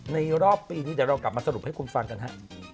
รอบปีนี้เดี๋ยวเรากลับมาสรุปให้คุณฟังกันฮะ